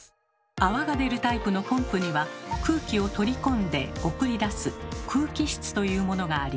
泡が出るタイプのポンプには空気を取り込んで送り出す「空気室」というものがあり。